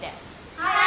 はい。